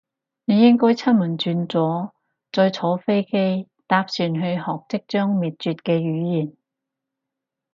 你應該出門轉左，再坐飛機，搭船去學即將滅絕嘅語言